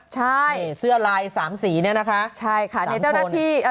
ใช่เสื้อลายสามสีเนี่ยนะคะใช่ค่ะเนี่ยเจ้าหน้าที่อ่า